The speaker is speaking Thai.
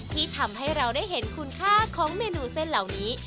ที่ทำให้เราได้เห็นคุณค่าของเมนูเส้นเหล่านี้